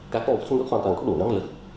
các nhà đầu tư trong nước hoàn toàn có đủ năng lực